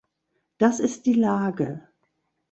Das ist die Lage.